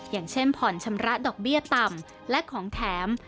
อย่างช่วงฉัมระดอกเบี้ยต่ำและของแถม